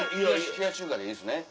冷やし中華でいいですね。